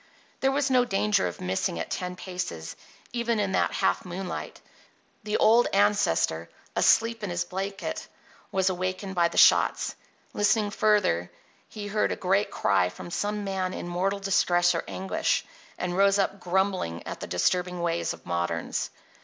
There was no danger of missing at ten paces, even in that half moonlight. The old ancestor, asleep on his blanket, was awakened by the shots. Listening further, he heard a great cry from some man in mortal distress or anguish, and rose up grumbling at the disturbing ways of moderns.